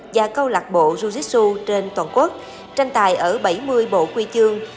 và câu lạc bộ jujitsu trên toàn quốc tranh tài ở bảy mươi bộ quy chương